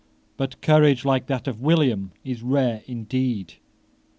But courage like that of William is rare indeed.